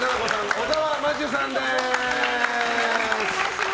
小沢真珠さんです。